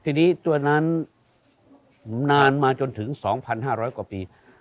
ทีนี้ตัวนั้นนานมาจนถึง๒๕๐๐กว่าปี